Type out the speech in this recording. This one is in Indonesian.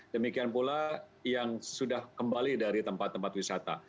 demikian pula yang sudah kembali dari tempat tempat wisata